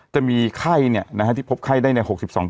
จะมีไข้ที่พบไข้ได้ใน๖๒